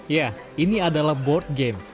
ya ini adalah board game